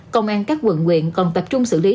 công an các quận nguyện còn tập trung xử lý